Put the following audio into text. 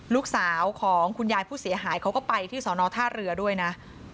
ลูกสาวของคุณยายผู้เสียหายเขาก็ไปที่สอนอท่าเรือด้วยนะ